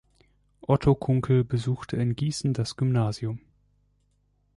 Otto Kunkel besuchte in Gießen das Gymnasium.